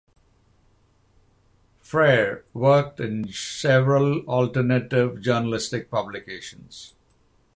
Freire worked in several alternative journalistic publications.